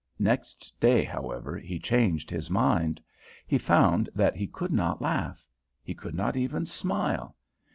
Next day, however, he changed his mind. He found that he could not laugh. He could not even smile.